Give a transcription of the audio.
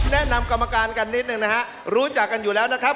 แนะนำกรรมการกันนิดหนึ่งนะฮะรู้จักกันอยู่แล้วนะครับ